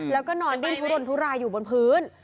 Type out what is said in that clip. แล้วก็นอนดิ้นทุรนทุรายอยู่บนพื้น